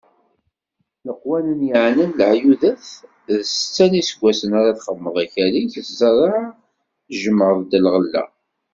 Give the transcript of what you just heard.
Leqwanen yeɛnan leɛyudat d Setta n iseggasen ara txeddmeḍ akal-ik, zreɛ tjemɛeḍ-d lɣella.